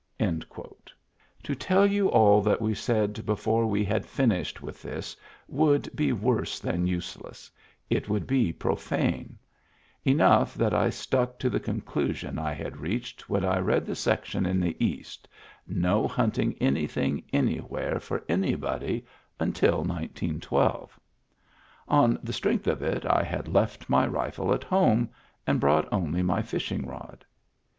To tell you all that we said before we had fin ished with this would be worse than useless — it would be profane; enough that I stuck to the conclusion I had reached when I read the section in the East — no hunting anything anywhere for anybody until 191 2. On the strength of it I had left my rifle at home and brought only my fishing rod.